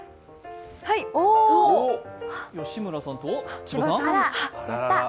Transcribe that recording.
吉村さんと千葉さん。